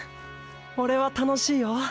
オレは楽しいよ。